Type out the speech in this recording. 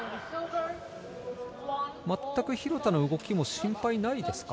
全く廣田の動きも心配ないですか。